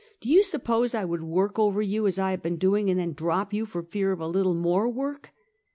Do you sup pose I would work over you as I have been doing, and then drop you for fear of a little more work?